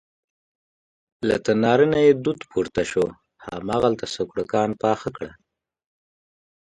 له تناره نه یې دود پورته شو، هماغلته سوکړکان پاخه کړه.